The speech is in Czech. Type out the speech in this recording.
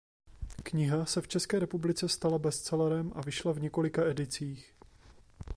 Kniha se v české republice stala bestsellerem a vyšla v několika edicích.